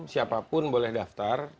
siapapun boleh daftar